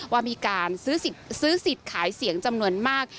ว่ามีการซื้อสิทธิ์ขายเสียงจำนวนมาก